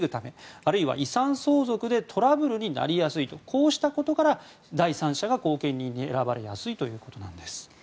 あるいは遺産相続でトラブルになりやすいとこうしたことから第三者が後見人に選ばれやすいということです。